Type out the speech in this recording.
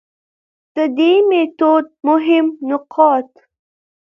د دې ميتود مهم نقاط: